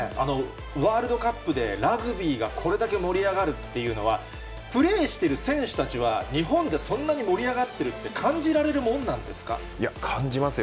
ワールドカップでラグビーがこれだけ盛り上がるというのは、プレーしてる選手たちは、日本でそんなに盛り上がってるって、いや、感じますよ。